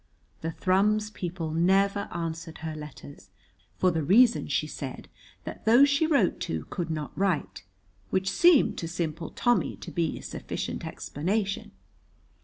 The Thrums people never answered her letters, for the reason, she said, that those she wrote to could not write, which seemed to simple Tommy to be a sufficient explanation.